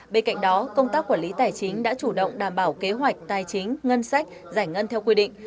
bên cạnh đó công tác quản lý tài chính đã chủ động đảm bảo kế hoạch tài chính ngân sách giải ngân theo quy định